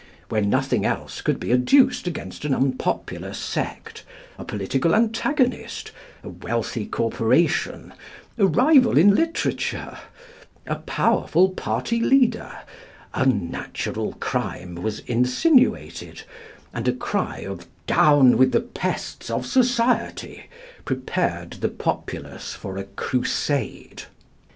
Where nothing else could be adduced against an unpopular sect, a political antagonist, a wealthy corporation, a rival in literature, a powerful party leader, unnatural crime was insinuated, and a cry of "Down with the pests of society" prepared the populace for a crusade.